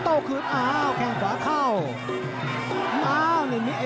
ติดตามยังน้อยกว่า